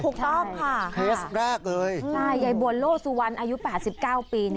ถูกต้องค่ะฮะครับใช่ยายบวลโลสุวรรณอายุ๘๙ปี